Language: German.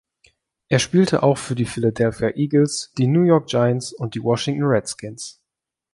Er spielte auch für die Philadelphia Eagles, die New York Giants und die Washington Redskins.